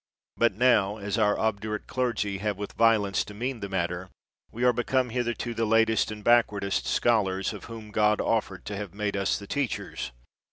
But now, as our obdurate clergy have with violence demeaned the matter, we are become hitherto the latest and backward est scholars, of whom God offered to have made us the teachers.